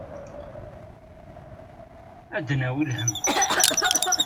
Ad d-nawi lhemm.